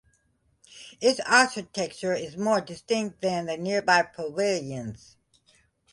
Its architecture is more distinct than the nearby pavilions.